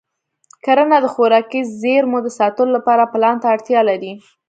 کرنه د خوراکي زېرمو د ساتلو لپاره پلان ته اړتیا لري.